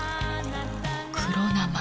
黒生！